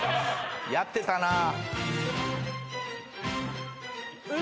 やってたなぁ。